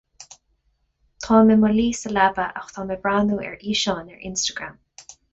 Táim i mo luí sa leaba ach táim ag breathnú ar fhíseáin ar Instagram